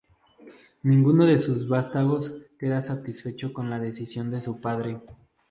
Ninguno de sus vástagos queda satisfecho con la decisión de su padre.